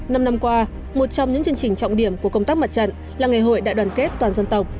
năm năm qua một trong những chương trình trọng điểm của công tác mặt trận là ngày hội đại đoàn kết toàn dân tộc